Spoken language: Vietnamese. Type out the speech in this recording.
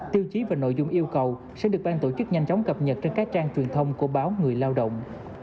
tiêu chí và nội dung yêu cầu sẽ được ban tổ chức nhanh chóng cập nhật trên các trang truyền thông của báo người lao động